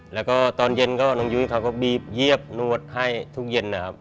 แล้วก็ตอนเย็นก็น้องยุ้ยเขาก็บีบเยียบนวดให้ทุกเย็นนะครับ